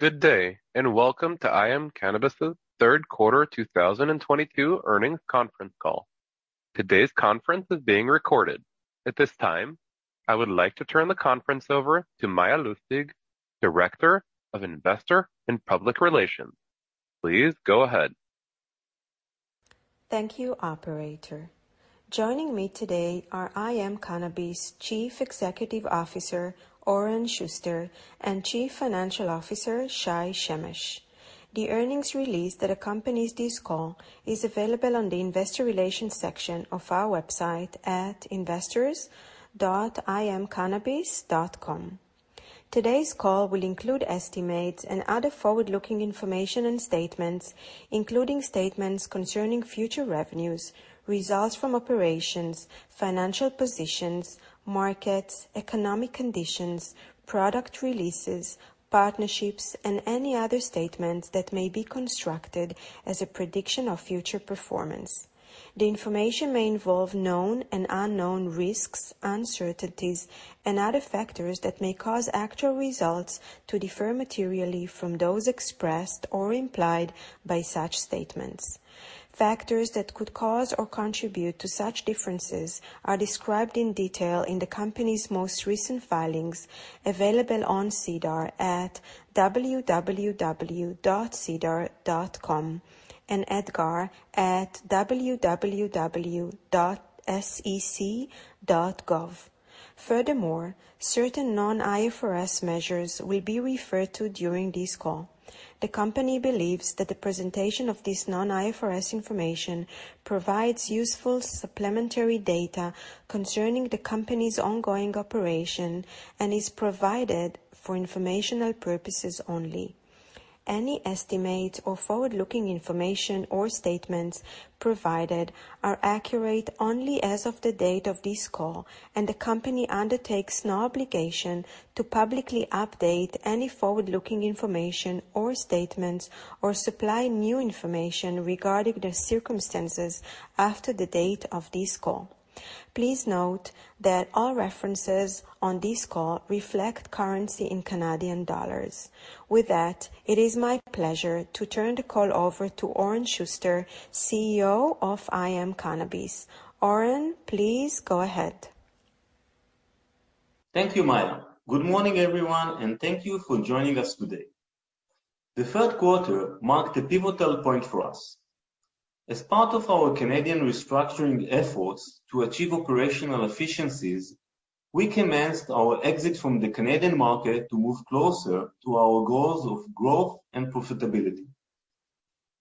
Good day, and welcome to IM Cannabis' Third Quarter 2022 Earnings Conference Call. Today's conference is being recorded. At this time, I would like to turn the conference over to Maya Lustig, Director of Investor and Public Relations. Please go ahead. Thank you, operator. Joining me today are IM Cannabis Chief Executive Officer, Oren Shuster, and Chief Financial Officer, Shai Shemesh. The earnings release that accompanies this call is available on the investor relations section of our website at investors.imcannabis.com. Today's call will include estimates and other forward-looking information and statements, including statements concerning future revenues, results from operations, financial positions, markets, economic conditions, product releases, partnerships, and any other statements that may be construed as a prediction of future performance. The information may involve known and unknown risks, uncertainties, and other factors that may cause actual results to differ materially from those expressed or implied by such statements. Factors that could cause or contribute to such differences are described in detail in the company's most recent filings available on SEDAR at www.sedar.com and EDGAR at www.sec.gov. Furthermore, certain non-IFRS measures will be referred to during this call. The company believes that the presentation of this non-IFRS information provides useful supplementary data concerning the company's ongoing operation and is provided for informational purposes only. Any estimates or forward-looking information or statements provided are accurate only as of the date of this call, and the company undertakes no obligation to publicly update any forward-looking information or statements or supply new information regarding the circumstances after the date of this call. Please note that all references on this call reflect currency in Canadian dollars. With that, it is my pleasure to turn the call over to Oren Shuster, CEO of IM Cannabis. Oren, please go ahead. Thank you, Maya. Good morning, everyone, and thank you for joining us today. The third quarter marked a pivotal point for us. As part of our Canadian restructuring efforts to achieve operational efficiencies, we commenced our exit from the Canadian market to move closer to our goals of growth and profitability.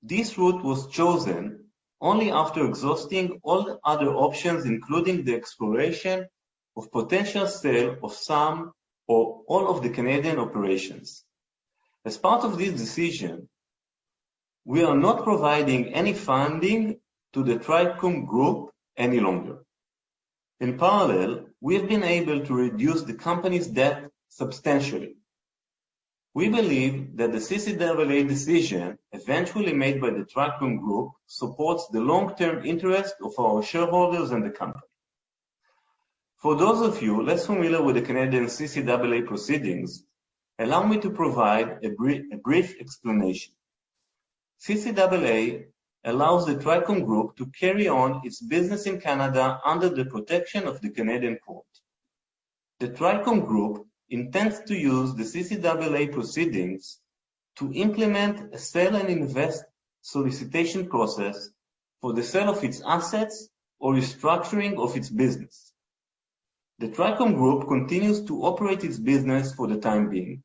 This route was chosen only after exhausting all other options, including the exploration of potential sale of some or all of the Canadian operations. As part of this decision, we are not providing any funding to the Trichome Group any longer. In parallel, we have been able to reduce the company's debt substantially. We believe that the CCAA decision eventually made by the Trichome Group supports the long-term interest of our shareholders and the company. For those of you less familiar with the Canadian CCAA proceedings, allow me to provide a brief explanation. CCAA allows the Trichome Group to carry on its business in Canada under the protection of the Canadian court. The Trichome Group intends to use the CCAA proceedings to implement a sale and investment solicitation process for the sale of its assets or restructuring of its business. The Trichome Group continues to operate its business for the time being.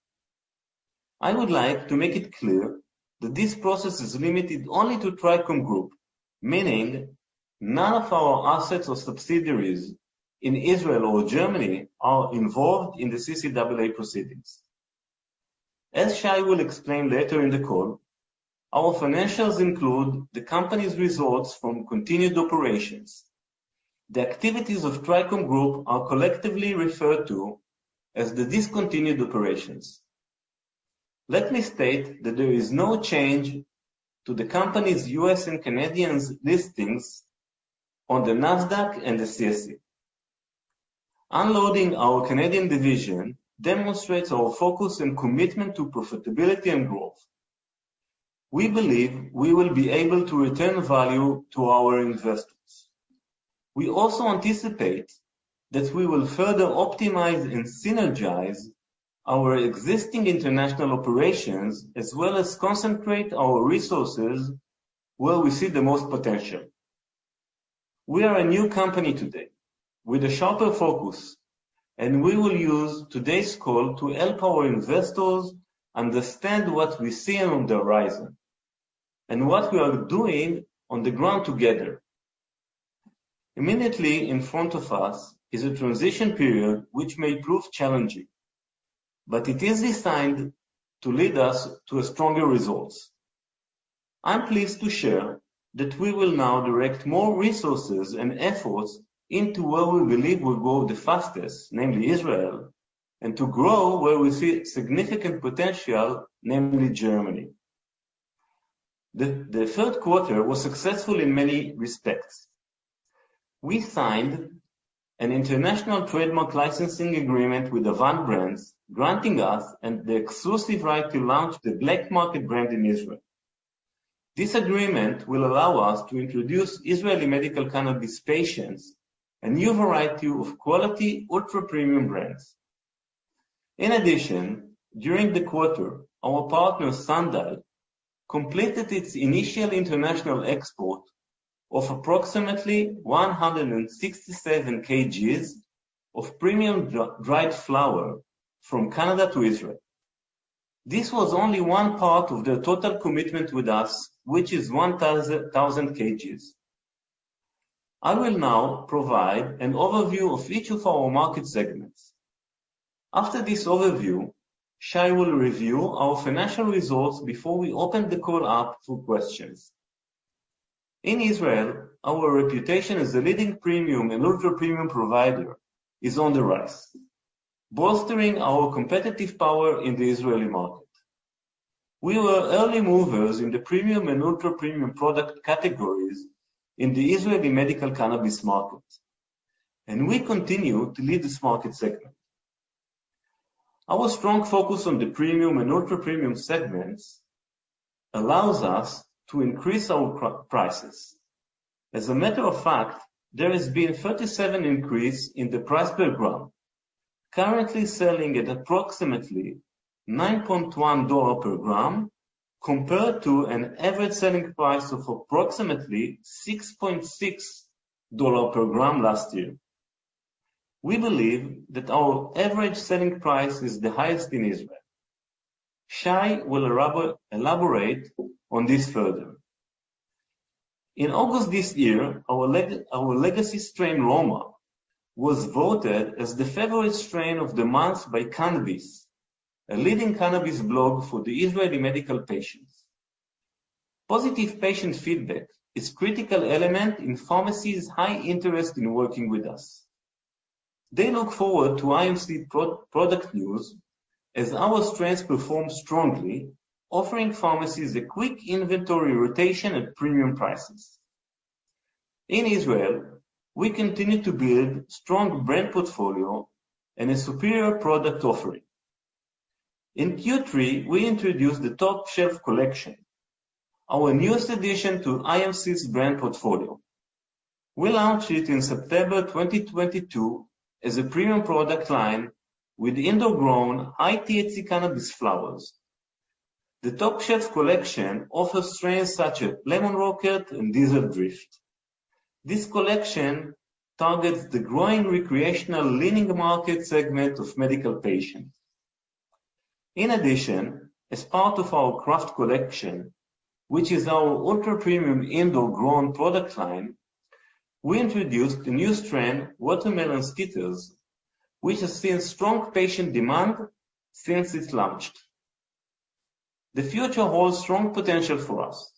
I would like to make it clear that this process is limited only to Trichome Group, meaning none of our assets or subsidiaries in Israel or Germany are involved in the CCAA proceedings. As Shai will explain later in the call, our financials include the company's results from continuing operations. The activities of Trichome Group are collectively referred to as the discontinued operations. Let me state that there is no change to the company's U.S. and Canadian listings on the NASDAQ and the CSE. Unloading our Canadian division demonstrates our focus and commitment to profitability and growth. We believe we will be able to return value to our investors. We also anticipate that we will further optimize and synergize our existing international operations, as well as concentrate our resources where we see the most potential. We are a new company today with a sharper focus, and we will use today's call to help our investors understand what we see on the horizon and what we are doing on the ground together. Immediately in front of us is a transition period which may prove challenging, but it is designed to lead us to stronger results. I'm pleased to share that we will now direct more resources and efforts into where we believe will grow the fastest, namely Israel, and to grow where we see significant potential, namely Germany. The third quarter was successful in many respects. We signed an international trademark licensing agreement with the Avant Brands, granting us the exclusive right to launch the Black Market brand in Israel. This agreement will allow us to introduce to Israeli medical cannabis patients a new variety of quality ultra-premium brands. In addition, during the quarter, our partner Sundial completed its initial international export of approximately 167 kgs of premium dried flower from Canada to Israel. This was only one part of their total commitment with us, which is 1,000 kgs. I will now provide an overview of each of our market segments. After this overview, Shai will review our financial results before we open the call up for questions. In Israel, our reputation as a leading premium and ultra-premium provider is on the rise, bolstering our competitive power in the Israeli market. We were early movers in the premium and ultra-premium product categories in the Israeli medical cannabis market, and we continue to lead this market segment. Our strong focus on the premium and ultra-premium segments allows us to increase our prices. As a matter of fact, there has been 37% increase in the price per gram, currently selling at approximately 9.1 dollar per gram compared to an average selling price of approximately 6.6 dollar per gram last year. We believe that our average selling price is the highest in Israel. Shai will elaborate on this further. In August this year, our legacy strain, Roma, was voted as the favorite strain of the month by Cannabis, a leading cannabis blog for the Israeli medical patients. Positive patient feedback is critical element in pharmacies high interest in working with us. They look forward to IMC product news as our strains perform strongly, offering pharmacies a quick inventory rotation at premium prices. In Israel, we continue to build strong brand portfolio and a superior product offering. In Q3, we introduced the Top-Shelf Collection, our newest addition to IMC's brand portfolio. We launched it in September 2022 as a premium product line with indoor-grown high-THC cannabis flowers. The Top-Shelf Collection offers strains such as Lemon Rocket and Diesel Drift. This collection targets the growing recreational-leaning market segment of medical patients. In addition, as part of our Craft Collection, which is our ultra-premium indoor-grown product line, we introduced a new strain, Watermelon Zkittlez, which has seen strong patient demand since it's launched. The future holds strong potential for us.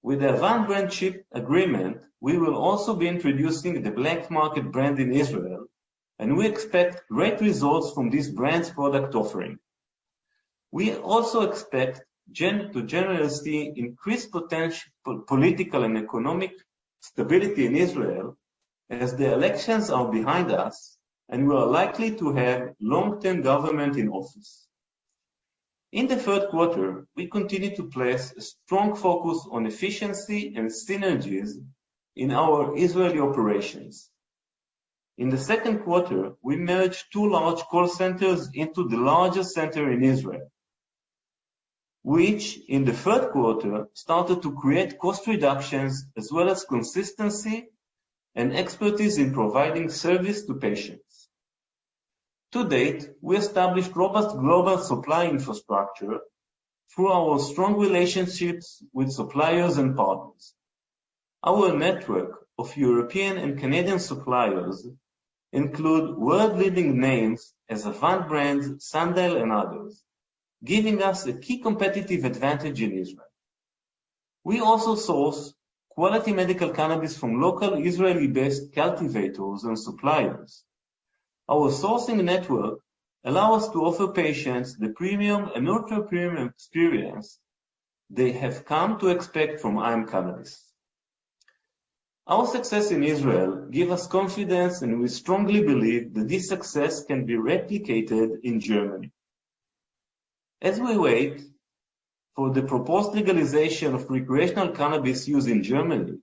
With the Avant Brands shipment agreement, we will also be introducing the Black Market brand in Israel, and we expect great results from this brand's product offering. We also expect to generally see increased potential political and economic stability in Israel as the elections are behind us, and we are likely to have long-term government in office. In the third quarter, we continued to place a strong focus on efficiency and synergies in our Israeli operations. In the second quarter, we merged two large call centers into the largest center in Israel, which in the third quarter, started to create cost reductions as well as consistency and expertise in providing service to patients. To date, we established robust global supply infrastructure through our strong relationships with suppliers and partners. Our network of European and Canadian suppliers include world-leading names as Avant Brands, Sundial, and others, giving us a key competitive advantage in Israel. We also source quality medical cannabis from local Israeli-based cultivators and suppliers. Our sourcing network allow us to offer patients the premium and ultra-premium experience they have come to expect from IM Cannabis. Our success in Israel give us confidence, and we strongly believe that this success can be replicated in Germany. As we wait for the proposed legalization of recreational cannabis use in Germany,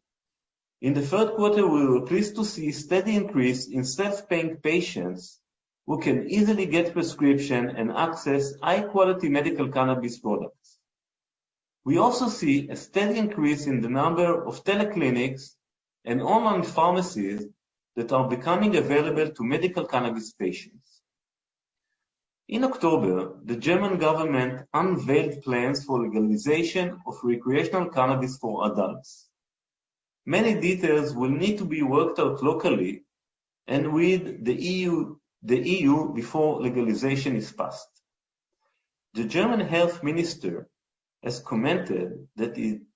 in the third quarter, we were pleased to see a steady increase in self-paying patients who can easily get prescription and access high-quality medical cannabis products. We also see a steady increase in the number of teleclinics and online pharmacies that are becoming available to medical cannabis patients. In October, the German government unveiled plans for legalization of recreational cannabis for adults. Many details will need to be worked out locally and with the E.U. before legalization is passed. The German Health Minister has commented that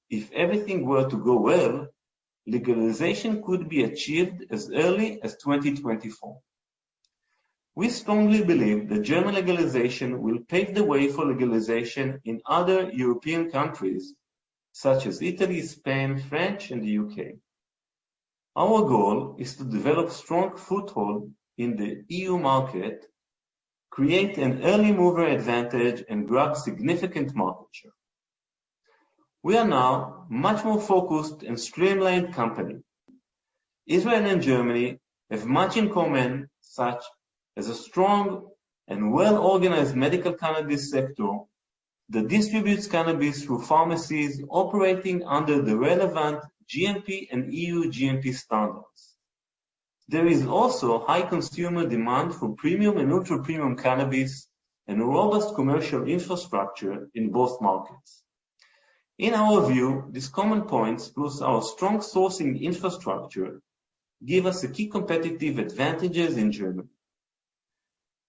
if everything were to go well, legalization could be achieved as early as 2024. We strongly believe that German legalization will pave the way for legalization in other European countries such as Italy, Spain, France, and the U.K. Our goal is to develop strong foothold in the EU market, create an early mover advantage, and drive significant market share. We are now much more focused and streamlined company. Israel and Germany have much in common, such as a strong and well-organized medical cannabis sector that distributes cannabis through pharmacies operating under the relevant GMP and EU GMP standards. There is also high consumer demand for premium and ultra premium cannabis and a robust commercial infrastructure in both markets. In our view, these common points, plus our strong sourcing infrastructure, give us a key competitive advantages in Germany.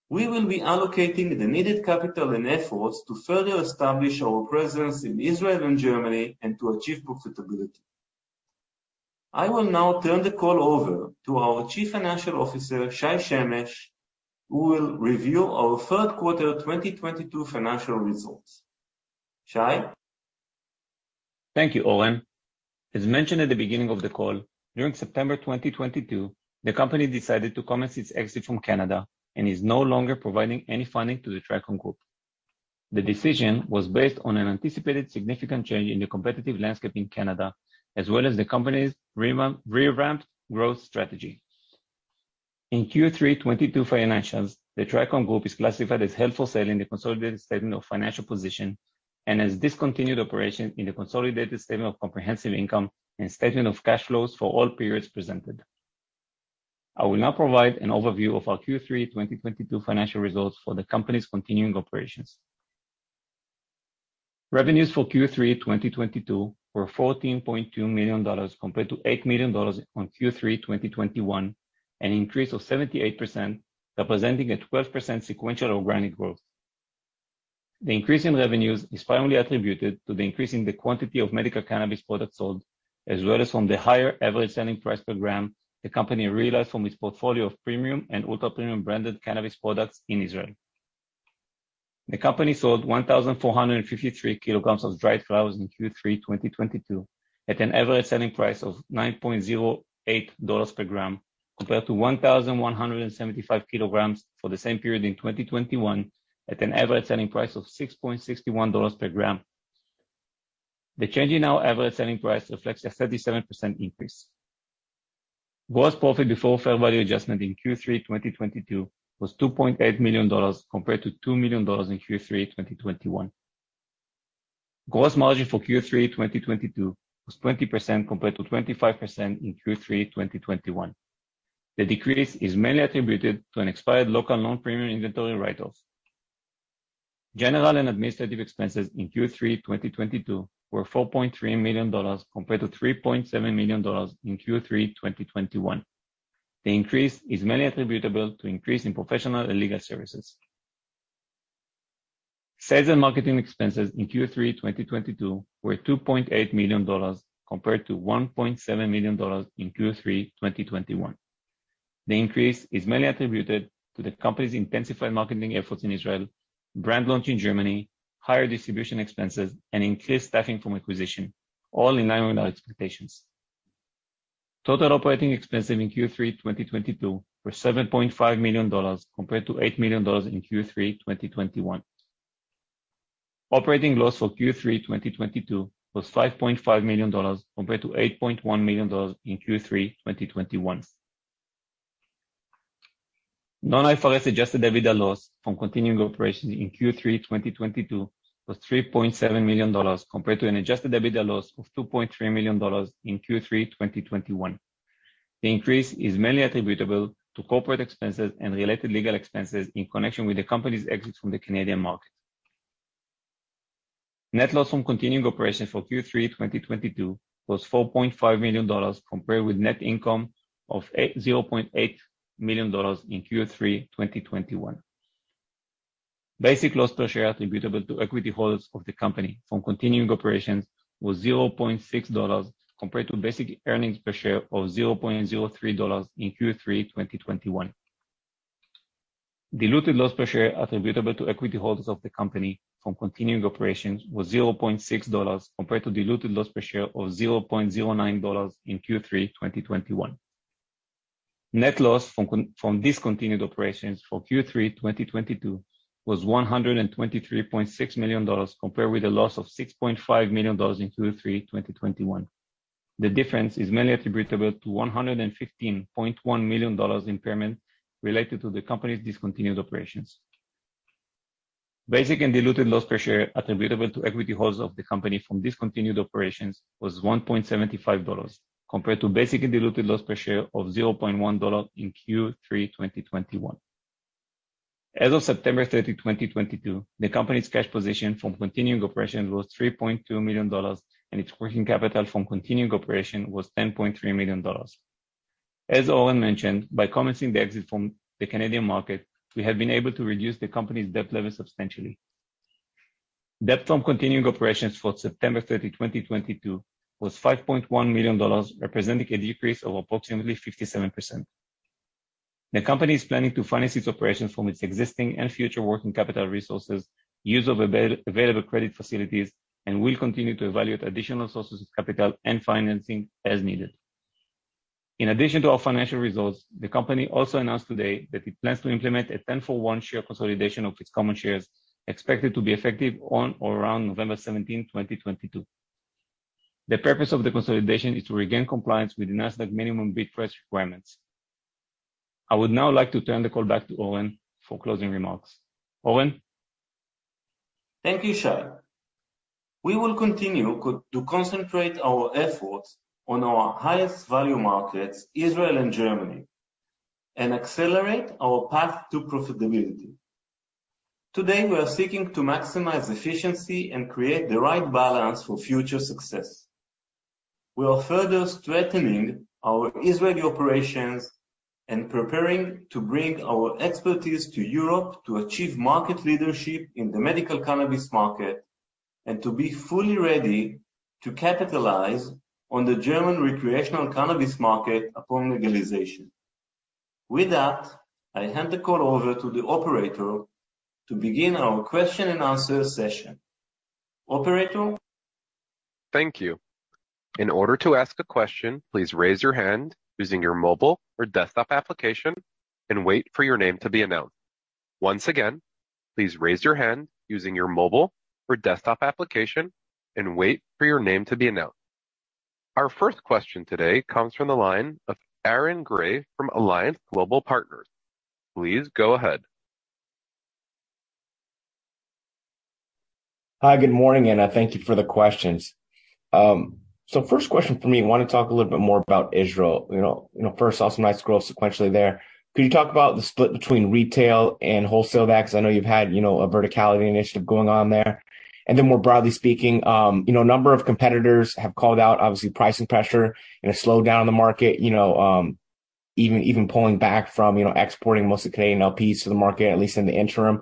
We will be allocating the needed capital and efforts to further establish our presence in Israel and Germany and to achieve profitability. I will now turn the call over to our Chief Financial Officer, Shai Shemesh, who will review our third quarter 2022 financial results. Shai? Thank you, Oren. As mentioned at the beginning of the call, during September 2022, the company decided to commence its exit from Canada and is no longer providing any funding to the Trichome Group. The decision was based on an anticipated significant change in the competitive landscape in Canada, as well as the company's revamped growth strategy. In Q3 2022 financials, the Trichome Group is classified as held for sale in the consolidated statement of financial position and as discontinued operations in the consolidated statement of comprehensive income and statement of cash flows for all periods presented. I will now provide an overview of our Q3 2022 financial results for the company's continuing operations. Revenues for Q3 2022 were CAD 14.2 million compared to 8 million dollars in Q3 2021, an increase of 78%, representing a 12% sequential organic growth. The increase in revenues is primarily attributed to the increase in the quantity of medical cannabis products sold, as well as from the higher average selling price per gram the company realized from its portfolio of premium and ultra premium branded cannabis products in Israel. The company sold 1,453 kilograms of dried flowers in Q3 2022 at an average selling price of 9.08 dollars per gram, compared to 1,175 kilograms for the same period in 2021 at an average selling price of 6.61 dollars per gram. The change in our average selling price reflects a 37% increase. Gross profit before fair value adjustment in Q3 2022 was 2.8 million dollars compared to 2 million dollars in Q3 2021. Gross margin for Q3 2022 was 20% compared to 25% in Q3 2021. The decrease is mainly attributed to an expired local non-premium inventory write-offs. General and administrative expenses in Q3 2022 were 4.3 million dollars compared to 3.7 million dollars in Q3 2021. The increase is mainly attributable to increase in professional and legal services. Sales and marketing expenses in Q3 2022 were 2.8 million dollars compared to 1.7 million dollars in Q3 2021. The increase is mainly attributed to the company's intensified marketing efforts in Israel, brand launch in Germany, higher distribution expenses, and increased staffing from acquisition, all in line with our expectations. Total operating expenses in Q3 2022 were 7.5 million dollars compared to 8 million dollars in Q3 2021. Operating loss for Q3 2022 was 5.5 million dollars compared to 8.1 million dollars in Q3 2021. Non-IFRS adjusted EBITDA loss from continuing operations in Q3 2022 was 3.7 million dollars compared to an adjusted EBITDA loss of 2.3 million dollars in Q3 2021. The increase is mainly attributable to corporate expenses and related legal expenses in connection with the company's exit from the Canadian market. Net loss from continuing operations for Q3 2022 was 4.5 million dollars compared with net income of 0.8 million dollars in Q3 2021. Basic loss per share attributable to equity holders of the company from continuing operations was 0.6 dollars compared to basic earnings per share of 0.03 dollars in Q3 2021. Diluted loss per share attributable to equity holders of the company from continuing operations was 0.6 dollars compared to diluted loss per share of 0.09 dollars in Q3 2021. Net loss from discontinued operations for Q3 2022 was 123.6 million dollars compared with a loss of 6.5 million dollars in Q3 2021. The difference is mainly attributable to 115.1 million dollars impairment related to the company's discontinued operations. Basic and diluted loss per share attributable to equity holders of the company from discontinued operations was 1.75 dollars compared to basic and diluted loss per share of 0.1 dollar in Q3 2021. As of September 30, 2022, the company's cash position from continuing operations was 3.2 million dollars, and its working capital from continuing operation was 10.3 million dollars. As Oren mentioned, by commencing the exit from the Canadian market, we have been able to reduce the company's debt levels substantially. Debt from continuing operations for September 30, 2022 was 5.1 million dollars, representing a decrease of approximately 57%. The company is planning to finance its operations from its existing and future working capital resources, use of available credit facilities, and will continue to evaluate additional sources of capital and financing as needed. In addition to our financial results, the company also announced today that it plans to implement a 10-for-1 share consolidation of its common shares, expected to be effective on or around November 17, 2022. The purpose of the consolidation is to regain compliance with NASDAQ minimum bid price requirements. I would now like to turn the call back to Oren for closing remarks. Oren? Thank you, Shai. We will continue to concentrate our efforts on our highest value markets, Israel and Germany, and accelerate our path to profitability. Today, we are seeking to maximize efficiency and create the right balance for future success. We are further strengthening our Israeli operations and preparing to bring our expertise to Europe to achieve market leadership in the medical cannabis market and to be fully ready to capitalize on the German recreational cannabis market upon legalization. With that, I hand the call over to the operator to begin our question and answer session. Operator? Thank you. In order to ask a question, please raise your hand using your mobile or desktop application and wait for your name to be announced. Once again, please raise your hand using your mobile or desktop application and wait for your name to be announced. Our first question today comes from the line of Aaron Grey from Alliance Global Partners. Please go ahead. Hi, good morning, and thank you for the questions. So first question for me, want to talk a little bit more about Israel. You know, first, also nice growth sequentially there. Could you talk about the split between retail and wholesale packs? I know you've had, you know, a verticality initiative going on there. More broadly speaking, you know, a number of competitors have called out obviously pricing pressure and a slowdown in the market, you know, even pulling back from, you know, exporting most of the Canadian LPs to the market, at least in the interim.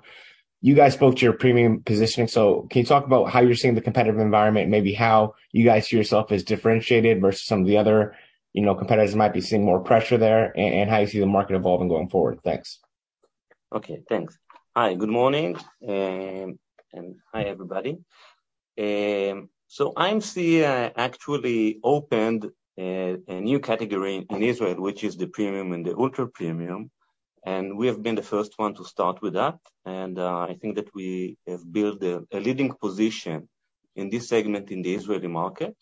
You guys spoke to your premium positioning. Can you talk about how you're seeing the competitive environment, maybe how you guys see yourself as differentiated versus some of the other, you know, competitors who might be seeing more pressure there, and how you see the market evolving going forward? Thanks. Okay, thanks. Hi, good morning, and hi, everybody. So IMC actually opened a new category in Israel, which is the premium and the ultra-premium, and we have been the first one to start with that. I think that we have built a leading position in this segment in the Israeli market.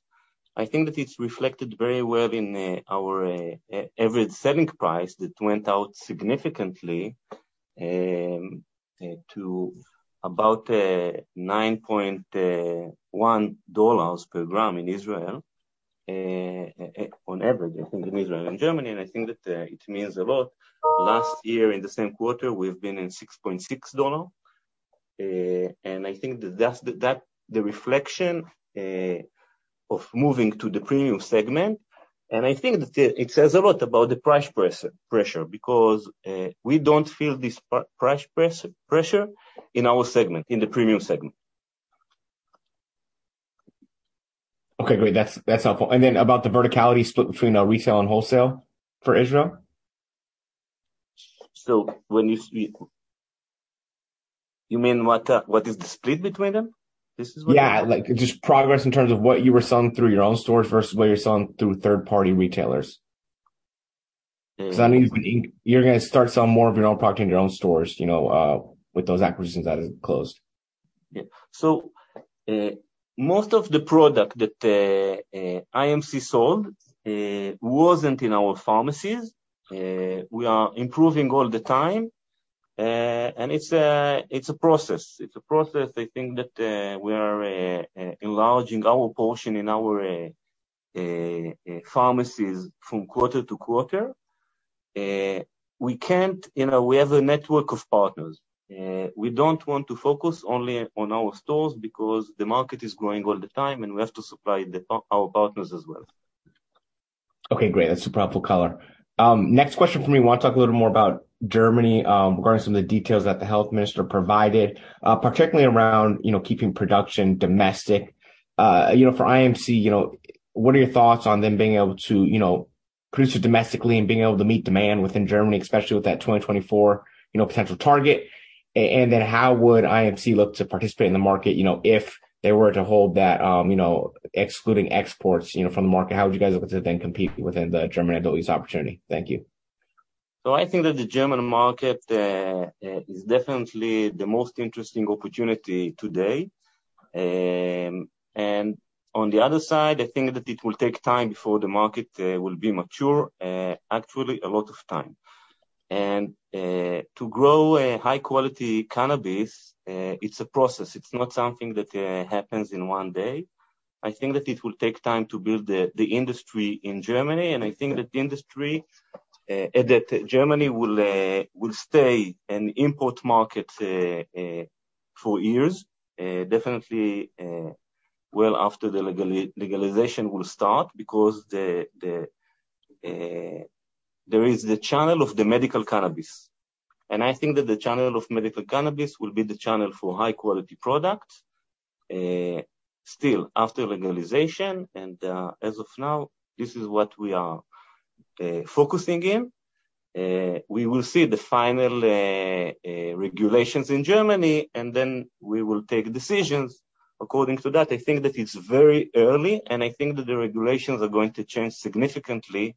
I think that it's reflected very well in our average selling price that went up significantly to about 9.1 dollars per gram in Israel, on average, I think in Israel. In Germany, and I think that it means a lot. Last year in the same quarter, we've been at 6.6 dollar. I think that that's the reflection of moving to the premium segment. I think that it says a lot about the price pressure because we don't feel this price pressure in our segment, in the premium segment. Okay, great. That's helpful. About the verticality split between retail and wholesale for Israel? When you speak, you mean what is the split between them? Yeah. Like just progress in terms of what you were selling through your own stores versus what you're selling through third-party retailers. Yeah. Cause I know you're gonna start selling more of your own product in your own stores, you know, with those acquisitions that have closed. Yeah. Most of the product that IMC sold wasn't in our pharmacies. We are improving all the time. It's a process. I think that we are enlarging our portion in our pharmacies from quarter to quarter. You know, we have a network of partners. We don't want to focus only on our stores because the market is growing all the time, and we have to supply our partners as well. Okay, great. That's a powerful color. Next question for me. Want to talk a little more about Germany, regarding some of the details that the health minister provided, particularly around, you know, keeping production domestic. You know, for IMC, you know, what are your thoughts on them being able to, you know, produce it domestically and being able to meet demand within Germany, especially with that 2024 potential target? How would IMC look to participate in the market, you know, if they were to hold that, you know, excluding exports, you know, from the market? How would you guys look to then compete within the German adult use opportunity? Thank you. I think that the German market is definitely the most interesting opportunity today. On the other side, I think that it will take time before the market will be mature, actually a lot of time. To grow a high-quality cannabis, it's a process. It's not something that happens in one day. I think that it will take time to build the industry in Germany. I think that the industry that Germany will stay an import market for years, definitely, well after the legalization will start because there is the channel of the medical cannabis, and I think that the channel of medical cannabis will be the channel for high quality product, still after legalization. As of now, this is what we are focusing in. We will see the final regulations in Germany, and then we will take decisions according to that. I think that it's very early, and I think that the regulations are going to change significantly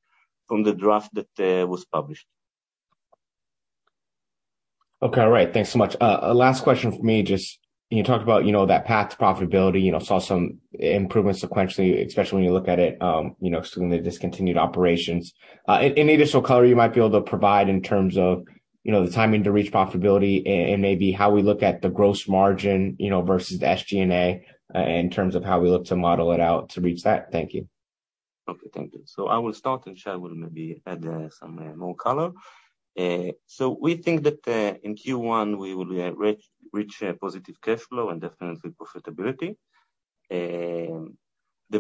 from the draft that was published. Okay. All right. Thanks so much. Last question from me. Just you talked about, you know, that path to profitability, you know, saw some improvement sequentially, especially when you look at it, excluding the discontinued operations. Any additional color you might be able to provide in terms of, you know, the timing to reach profitability and maybe how we look at the gross margin, you know, versus the SG&A, in terms of how we look to model it out to reach that. Thank you. Okay. Thank you. I will start, and Shai will maybe add some more color. We think that in Q1 we will reach a positive cash flow and definitely profitability. The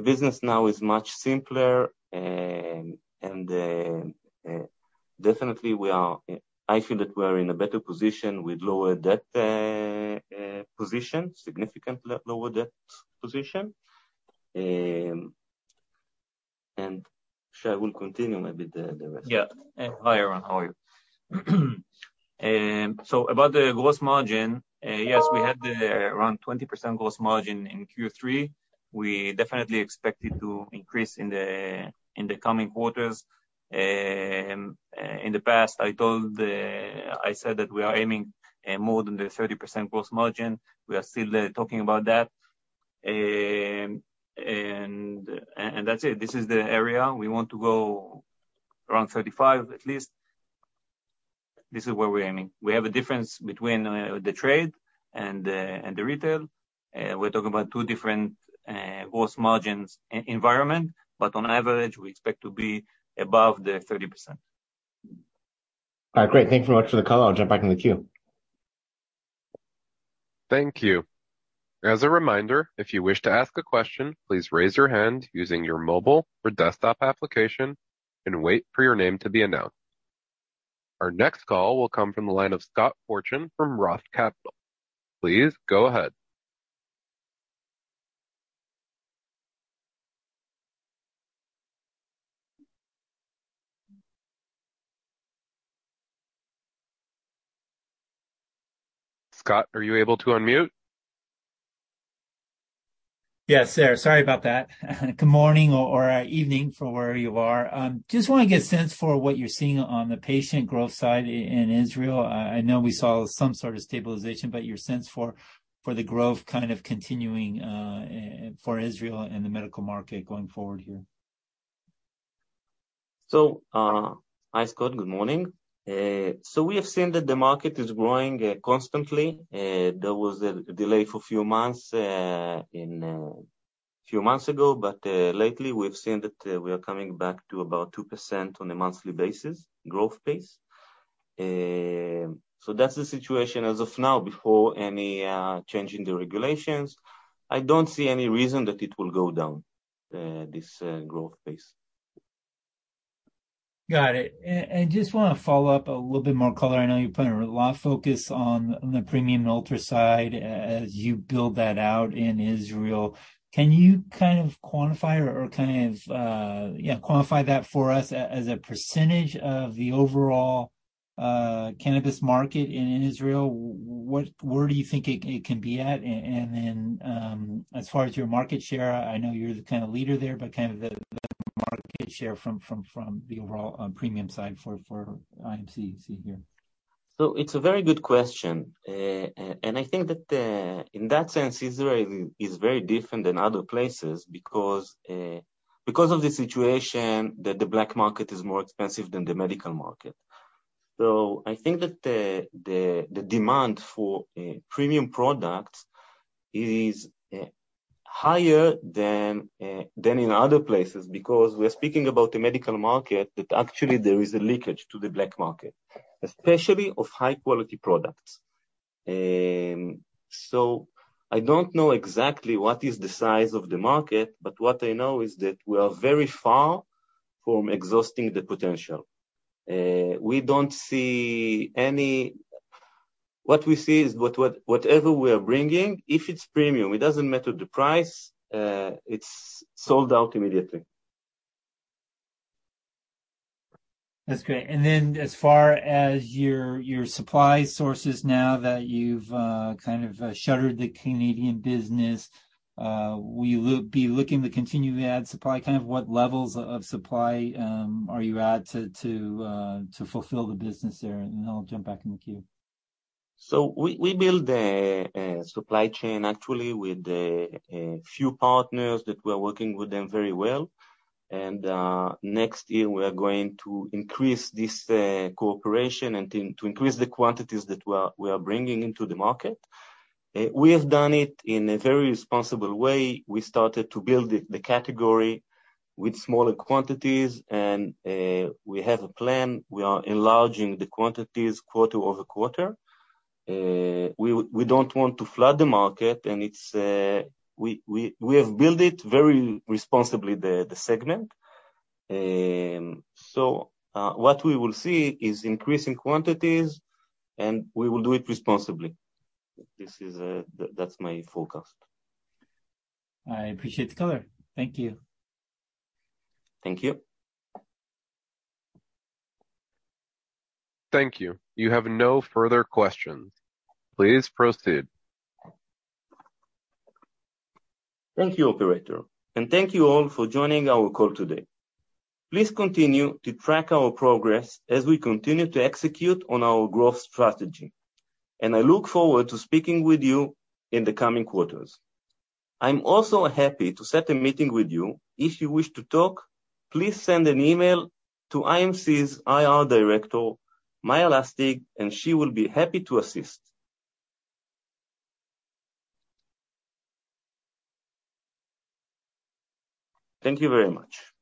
business now is much simpler. Definitely, I feel that we are in a better position with significantly lower debt position. Shai will continue maybe the rest. Yeah. Hi, Aaron. How are you? About the gross margin, yes, we had around 20% gross margin in Q3. We definitely expect it to increase in the coming quarters. In the past, I said that we are aiming more than the 30% gross margin. We are still talking about that. That's it. This is the area. We want to go around 35%, at least. This is where we're aiming. We have a difference between the trade and the retail. We're talking about two different gross margins environments, but on average, we expect to be above the 30%. All right, great. Thank you very much for the color. I'll jump back in the queue. Thank you. As a reminder, if you wish to ask a question, please raise your hand using your mobile or desktop application and wait for your name to be announced. Our next call will come from the line of Scott Fortune from Roth Capital. Please go ahead. Scott, are you able to unmute? Yes, sir. Sorry about that. Good morning or evening from where you are. Just want to get a sense for what you're seeing on the patient growth side in Israel. I know we saw some sort of stabilization, but your sense for the growth kind of continuing for Israel and the medical market going forward here? Hi, Scott. Good morning. We have seen that the market is growing constantly. There was a delay a few months ago, but lately we've seen that we are coming back to about 2% on a monthly basis, growth pace. That's the situation as of now. Before any change in the regulations, I don't see any reason that it will go down this growth pace. Got it. Just wanna follow up a little bit more color. I know you're putting a lot of focus on the premium and ultra side as you build that out in Israel. Can you kind of quantify that for us as a percentage of the overall cannabis market in Israel? Where do you think it can be at? As far as your market share, I know you're the kind of leader there, but kind of the market share from the overall premium side for IMC I see here. It's a very good question. I think that in that sense, Israel is very different than other places because of the situation that the black market is more expensive than the medical market. I think that the demand for premium products is higher than in other places because we're speaking about the medical market, that actually there is a leakage to the black market, especially of high-quality products. I don't know exactly what is the size of the market, but what I know is that we are very far from exhausting the potential. What we see is whatever we are bringing, if it's premium, it doesn't matter the price, it's sold out immediately. That's great. As far as your supply sources now that you've kind of shuttered the Canadian business, will you be looking to continue to add supply? What kind of levels of supply are you at to fulfill the business there? I'll jump back in the queue. We build a supply chain actually with a few partners that we're working with them very well. Next year we are going to increase this cooperation and to increase the quantities that we are bringing into the market. We have done it in a very responsible way. We started to build the category with smaller quantities, and we have a plan. We are enlarging the quantities quarter-over-quarter. We don't want to flood the market, and it's we have built it very responsibly, the segment. What we will see is increase in quantities, and we will do it responsibly. This is that's my forecast. I appreciate the color. Thank you. Thank you. Thank you. You have no further questions. Please proceed. Thank you, operator, and thank you all for joining our call today. Please continue to track our progress as we continue to execute on our growth strategy, and I look forward to speaking with you in the coming quarters. I'm also happy to set a meeting with you. If you wish to talk, please send an email to IMC's IR director, Maya Lustig, and she will be happy to assist. Thank you very much.